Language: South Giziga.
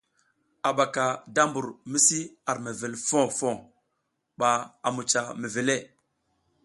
A ɓaka da mbur mi si ar mewel foh foh ɓa a mucah mewele.